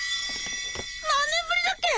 何年ぶりだっけ？